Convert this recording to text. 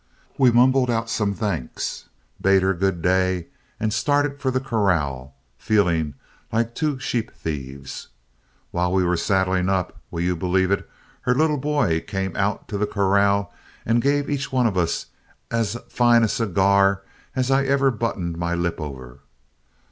We mumbled out some thanks, bade her good day, and started for the corral, feeling like two sheep thieves. While we were saddling up will you believe it? her little boy came out to the corral and gave each one of us as fine a cigar as ever I buttoned my lip over.